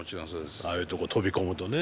ああいうとこ飛び込むとね